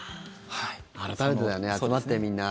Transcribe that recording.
改めてだよね集まってみんな！